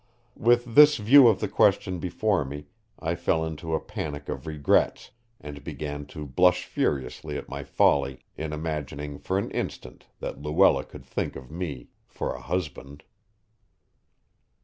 With this view of the question before me, I fell into a panic of regrets, and began to blush furiously at my folly in imagining for an instant that Luella could think of me for a husband.